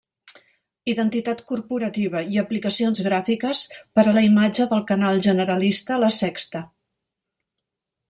Identitat corporativa i aplicacions gràfiques per a la imatge del canal generalista la Sexta.